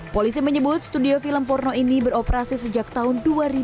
polisi menyebut studio film porno ini beroperasi sejak tahun dua ribu dua puluh dua